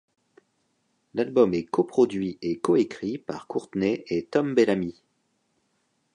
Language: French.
L'album est co-produit et co-écrit par Courtney et Tom Bellamy.